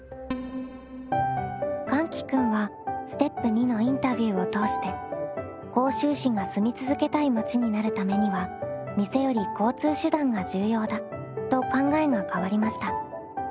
かんき君はステップ２のインタビューを通して甲州市が住み続けたい町になるためには店より交通手段が重要だと考えが変わりました。